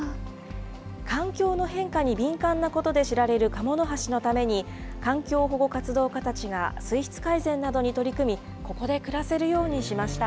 環境の変化に敏感なことで知られるカモノハシのために、環境保護活動家たちが水質改善などに取り組み、ここで暮らせるようにしました。